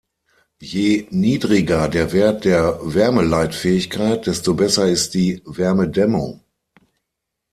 Je niedriger der Wert der Wärmeleitfähigkeit, desto besser ist die Wärmedämmung.